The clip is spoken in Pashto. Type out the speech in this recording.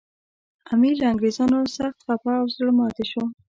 امیر له انګریزانو سخت خپه او زړه ماتي شو.